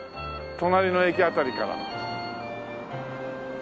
隣の駅辺りから。